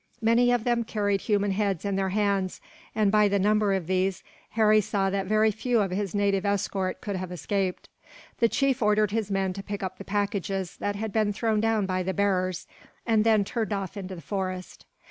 Many of them carried human heads in their hands and, by the number of these, Harry saw that very few of his native escort could have escaped. The chief ordered his men to pick up the packages that had been thrown down by the bearers, and then turned off into the forest.